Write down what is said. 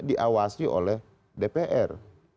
diawasi oleh dpr